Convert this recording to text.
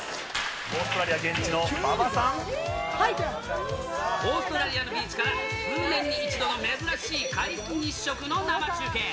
オーストラリア現地の馬場さオーストラリアのビーチから、数年に一度の珍しい皆既日食の生中継。